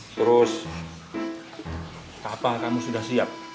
terus kapal kamu sudah siap